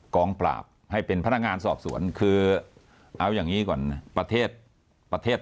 กองปราบให้เป็นพนักงานสอบสวนคือเอาอย่างนี้ก่อนประเทศ